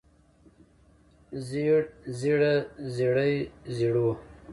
زېړ زېړه زېړې زېړو